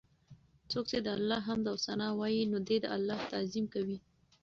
څوک چې د الله حمد او ثناء وايي، نو دی د الله تعظيم کوي